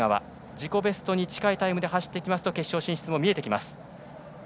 自己ベストに近いタイムで走ると決勝進出も見えてきます。